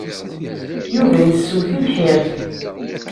Yuba yessew tibḥirt.